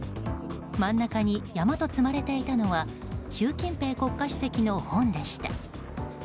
真ん中に山と積まれていたのは習近平国家主席の本でした。